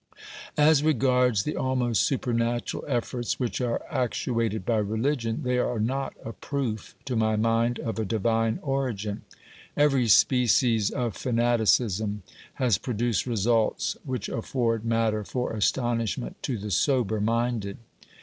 As regards the almost supernatural efforts which are actuated by religion, they are not a proof to my mind of a divine origin. Every species of fanaticism has produced results which afford matter for astonishment to the sober minded.